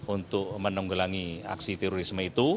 untuk menanggulangi aksi terorisme itu